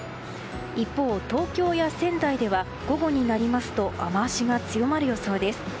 一方、東京や仙台では午後になりますと雨脚が強まる予想です。